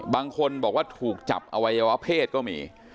บางคนบอกว่าถูกจับอวัยวะเพศก็มี